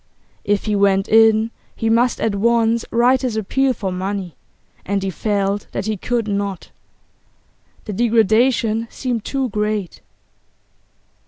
If he went in, he must at once write his appeal for money, and he felt that he could not. The degradation seemed too great.